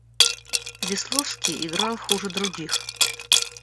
Весловский играл хуже других.